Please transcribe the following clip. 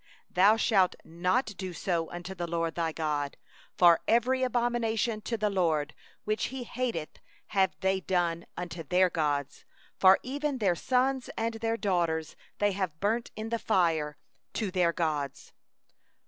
31Thou shalt not do so unto the LORD thy God; for every abomination to the LORD, which He hateth, have they done unto their gods; for even their sons and their daughters do they burn in the fire to their gods.